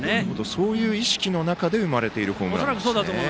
そういう意識の中で生まれているホームラン。